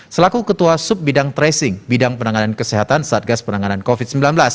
selaku ketua sub bidang tracing bidang penanganan kesehatan satgas penanganan covid sembilan belas